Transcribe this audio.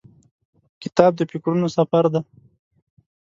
کتاب د فکرونو سفر دی.